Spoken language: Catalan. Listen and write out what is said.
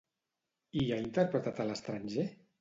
I ha interpretat a l'estranger?